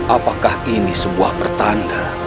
apakah ini sebuah pertanda